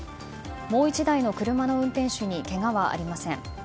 もう１台の車の運転手にけがはありません。